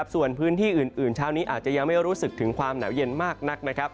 ส่วนพื้นที่อื่นเช้านี้อาจจะยังไม่รู้สึกถึงความหนาวเย็นมากนัก